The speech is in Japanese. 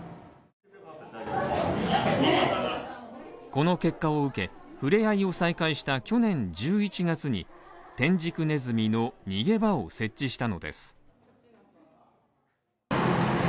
この結果を受け、ふれあいを再開した去年１１月に、テンジクネズミの逃げ場を設置したのです。